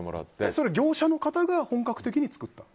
それは業者の方が本格的に作った？